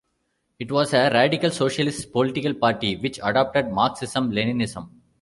It was a radical socialist political party, which adopted Marxism-Leninism.